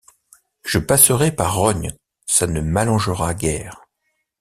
Je passerai par Rognes, ça ne m’allongera guère.